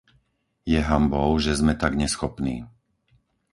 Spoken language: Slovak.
Je hanbou, že sme tak neschopní.